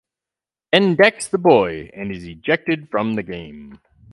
Ben decks the boy and is ejected from the game.